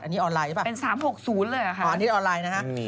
อันนี้ออนไลน์ใช่ป่ะนะคะอเรนนี่ส์ออนไลน์